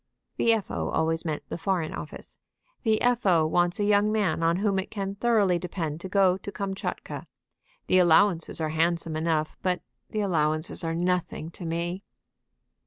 (The F.O. always meant the Foreign Office.) "The F.O. wants a young man on whom it can thoroughly depend to go to Kamtchatka. The allowances are handsome enough, but the allowances are nothing to me."